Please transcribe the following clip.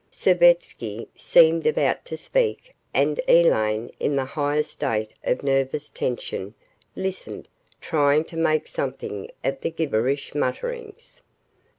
Savetsky seemed about to speak and Elaine, in the highest state of nervous tension, listened, trying to make something of the gibberish mutterings.